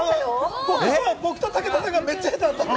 僕と武田さんがめっちゃ下手だった。